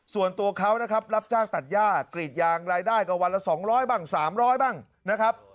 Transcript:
ส่วนตัวเขานะครับรับจ้างตัดย่ากรีดยางรายได้ก็วันละ๒๐๐บ้าง๓๐๐บ้างนะครับ